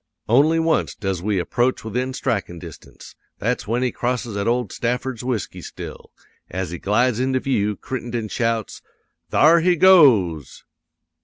"'Only once does we approach within strikin' distance; that's when he crosses at old Stafford's whisky still. As he glides into view, Crittenden shouts: "'"Thar he goes!"